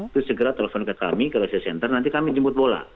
itu segera telepon ke kami ke crisis center nanti kami jemput bola